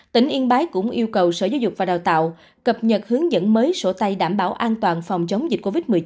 tỉnh yên bái cũng yêu cầu sở giáo dục và đào tạo cập nhật hướng dẫn mới sổ tay đảm bảo an toàn phòng chống dịch covid một mươi chín